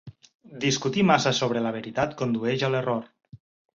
Discutir massa sobre la veritat condueix a l'error.